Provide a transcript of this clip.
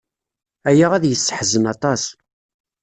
Aya ad yesseḥzen aṭas.